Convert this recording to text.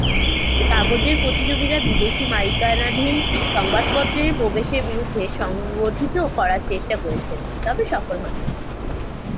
কাগজের প্রতিযোগীরা বিদেশি মালিকানাধীন সংবাদপত্রের প্রবেশের বিরুদ্ধে সংগঠিত করার চেষ্টা করেছিলেন, তবে সফল হননি।